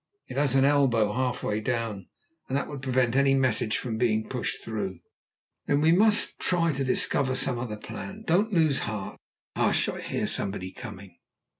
"It has an elbow half way down, and that would prevent any message from being pushed through." "Then we must try to discover some other plan. Don't lose heart!" "Hush! I hear somebody coming."